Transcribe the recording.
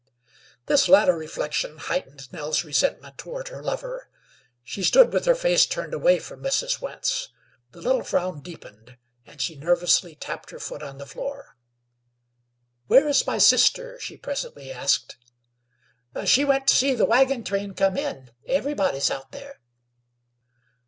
This latter reflection heightened Nell's resentment toward her lover. She stood with her face turned away from Mrs. Wentz; the little frown deepened, and she nervously tapped her foot on the floor. "Where is my sister?" she presently asked. "She went to see the wagon train come in. Everybody's out there."